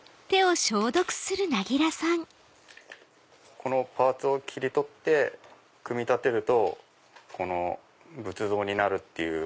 このパーツを切り取って組み立てるとこの仏像になるっていう。